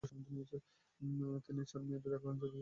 তিনি চার মেয়াদে ঢাকা জেলা আইনজীবী সমিতির সভাপতি ছিলেন।